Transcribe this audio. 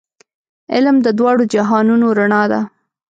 علم د دواړو جهانونو رڼا ده.